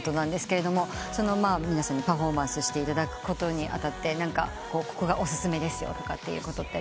皆さんにパフォーマンスしていただくことに当たってここがお薦めですよとかありますか？